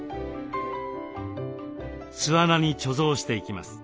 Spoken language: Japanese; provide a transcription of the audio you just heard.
巣穴に貯蔵していきます。